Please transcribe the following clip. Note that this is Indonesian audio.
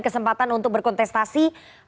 kesempatan untuk berkontestasi